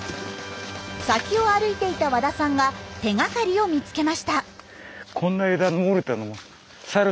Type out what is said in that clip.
先を歩いていた和田さんが手がかりを見つけました。